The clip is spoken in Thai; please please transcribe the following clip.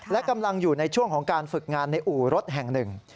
และกำลังอยู่ในช่วงของการฝึกงานในอู่รถแห่งหนึ่ง